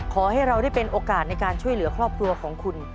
ขอให้เราได้เป็นโอกาสในการช่วยเหลือครอบครัวของคุณ